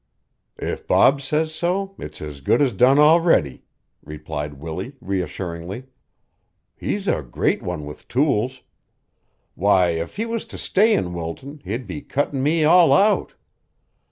"If Bob says so, it's as good as done already," replied Willie reassuringly. "He's a great one with tools. Why, if he was to stay in Wilton, he'd be cuttin' me all out.